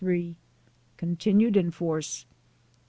Continued in force.